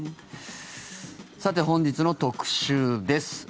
さて、本日の特集です。